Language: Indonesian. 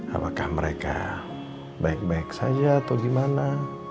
apakah mereka baik baik saja atau gimana